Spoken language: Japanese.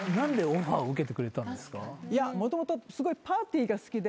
いやもともとすごい。